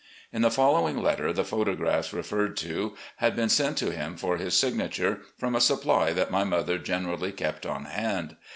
In the following letter the photographs referred to had been sent to him for his signature, from a supply that my mother generally kept on hand.